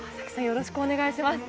よろしくお願いします。